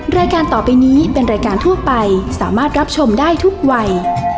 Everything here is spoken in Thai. รายการต่อไปนี้เป็นรายการทั่วไปสามารถรับชมได้ทุกวัย